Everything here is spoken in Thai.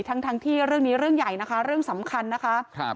ทั้งทั้งที่เรื่องนี้เรื่องใหญ่นะคะเรื่องสำคัญนะคะครับ